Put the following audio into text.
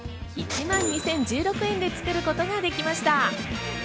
１万２０１６円で作ることができました。